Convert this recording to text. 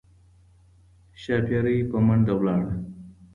ښاپیرۍ په منډه لاړه